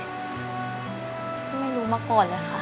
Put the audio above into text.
ไม่รู้มาก่อนเลยค่ะ